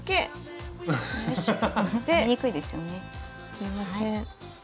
すいません